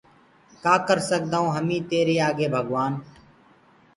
ڪآ ڪر سگدآئونٚ هميٚ تيريٚ آگي ڀگوآن